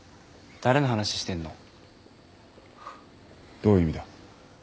どういう意味だ？